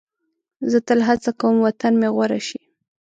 زه تل هڅه کوم وطن مې غوره شي.